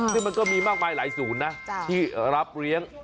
ซึ่งมันก็มีมากมายหลายศูนย์นะ